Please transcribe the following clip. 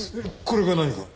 これが何か？